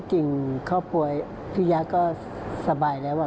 จริงเขาป่วยพี่ยาก็สบายแล้ว